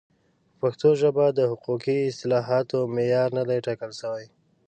په پښتو ژبه د حقوقي اصطلاحاتو معیار نه دی ټاکل شوی.